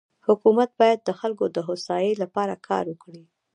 حکومت بايد د خلکو دهوسايي لپاره کار وکړي.